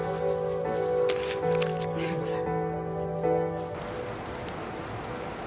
すいません。